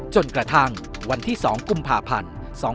จนกระทั่งวันที่๒กุมภาพันธ์๒๕๖